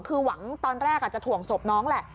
คือหวังตอนแรกจะถ่วงศพน้องแหละ